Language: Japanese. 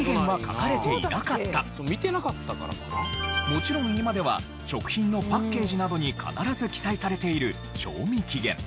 もちろん今では食品のパッケージなどに必ず記載されている賞味期限。